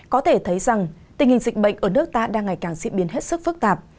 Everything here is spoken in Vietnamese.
có thể thấy rằng tình hình dịch bệnh ở nước ta đang ngày càng diễn biến hết sức phức tạp